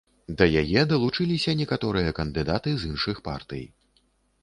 Да яе далучыліся некаторыя кандыдаты з іншых партый.